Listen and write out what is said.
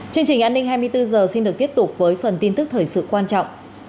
chương trình an ninh hai mươi bốn h xin được tiếp tục với phần tin tức thời sự quan trọng